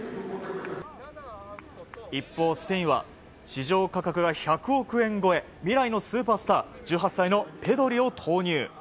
一方、スペインは市場価格が１００億円超え未来のスーパースター１８歳のペドリを投入。